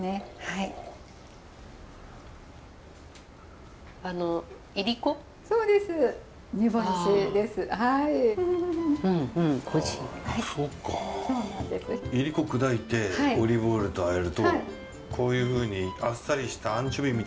いりこ砕いてオリーブオイルとあえるとこういうふうにあっさりしたアンチョビみたいになるんですね。